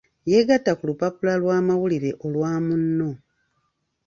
Yeegatta ku lupapula lw'amawulire olwa Munno.